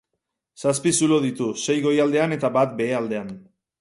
Zazpi zulo ditu, sei goialdean eta bat behealdean.